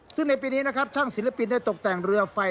ซึ่งในปีนี้นะครับช่างศิลปินได้ตกแต่งเรือไฟ